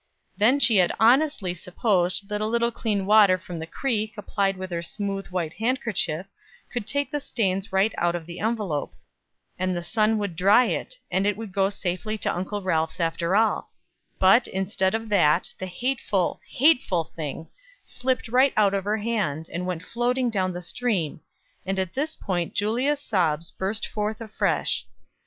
Then she had honestly supposed that a little clean water from the creek, applied with her smooth white handkerchief, would take the stains right out of the envelope, and the sun would dry it, and it would go safely to Uncle Ralph's after all; but, instead of that, the hateful, hateful thing slipped right out of her hand, and went floating down the stream; and at this point Julia's sobs burst forth afresh.